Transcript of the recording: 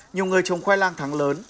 nhiều người trồng khoai lang thắng lớn